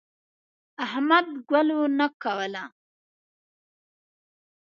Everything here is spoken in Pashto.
احمد ګلو نه کوله.